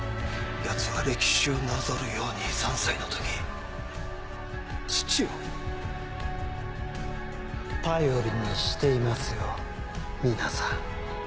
ヤツは歴史をなぞるように３歳の時父を頼りにしていますよ皆さん。